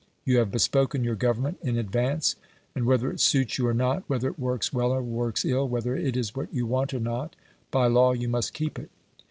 You have bespoken your Government in advance, and whether it suits you or not, whether it works well or works ill, whether it is what you want or not, by law you must keep it.